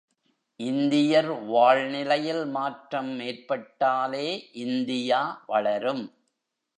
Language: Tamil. இந்தியர் வாழ்நிலையில் மாற்றம் ஏற்பட்டாலே இந்தியா வளரும்.